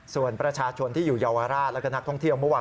ส่วนประชาชนที่อยู่เยาวราชแล้วก็นักท่องเที่ยวเมื่อวาน